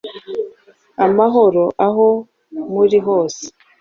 amahoro aho muri hose!